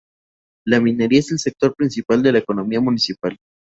La minería es el sector principal de la economía municipal.